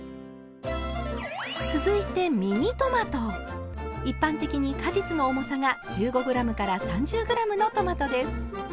続いて一般的に果実の重さが１５ｇから３０ｇのトマトです。